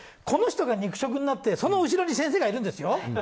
この人が肉食になってその後ろに先生がいるんですよ。